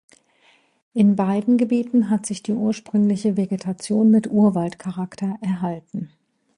In beiden Gebieten hat sich die ursprüngliche Vegetation mit Urwald-Charakter erhalten.